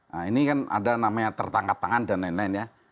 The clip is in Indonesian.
nah ini kan ada namanya tertangkap tangan dan lain lain ya